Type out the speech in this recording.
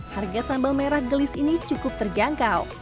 harga sambal merah gelis ini cukup terjangkau